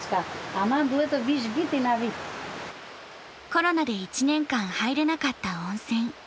コロナで１年間入れなかった温泉。